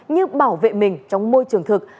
như bảo vệ mình trong môi trường thực